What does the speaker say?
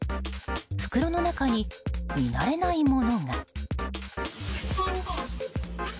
袋の中に見慣れないものが。